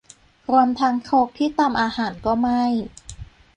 รวมทั้งครกที่ตำอาหารก็ไหม้